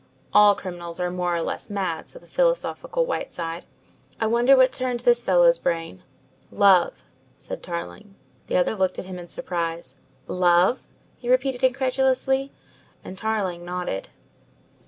"All criminals are more or less mad," said the philosophical Whiteside. "I wonder what turned this fellow's brain." "Love!" said Tarling. The other looked at him in surprise. "Love?" he repeated incredulously, and Tarling: nodded.